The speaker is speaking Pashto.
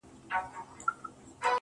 • هغه نجلۍ سندره نه غواړي، سندري غواړي.